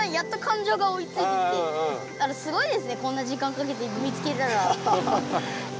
すごいですねこんな時間かけて見つけたら。